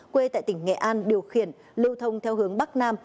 quê tại tỉnh nghệ an điều khiển lưu thông theo hướng bắc nam